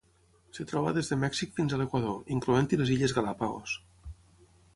Es troba des de Mèxic fins a l'Equador, incloent-hi les Illes Galápagos.